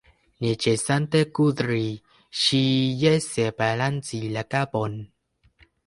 Ne ĉesante kudri, ŝi jese balancis la kapon.